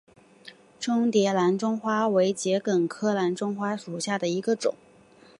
中甸蓝钟花为桔梗科蓝钟花属下的一个种。